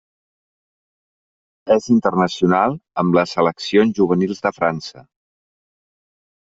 És internacional amb les seleccions juvenils de França.